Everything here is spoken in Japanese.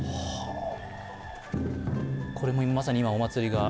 これもまさに今、お祭りが。